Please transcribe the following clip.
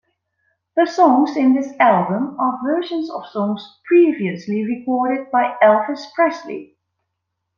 The songs in this album are versions of songs previously recorded by Elvis Presley.